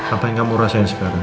apa yang kamu rasain sekarang